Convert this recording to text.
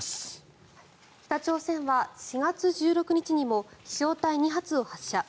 北朝鮮は４月１６日にも飛翔体２発を発射。